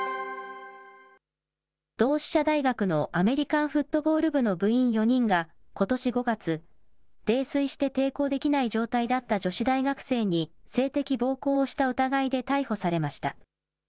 同志社大学のアメリカンフットボール部の部員４人がことし５月、泥酔して抵抗できない状態だった女子大学生に、性的暴行をした疑いで逮捕されました。